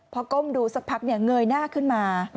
พอก้มดูสักพักเนี่ยเหนื่อยหน้าขึ้นมา